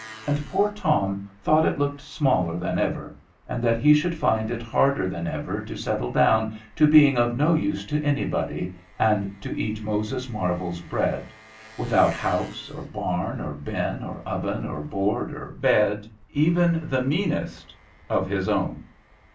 And poor Tom thought it looked smaller than ever, and that he should find it harder than ever to settle down to being of no use to anybody, and to eat Moses Marvel's bread, without house or barn, or bin or oven, or board or bed, even the meanest, of his own.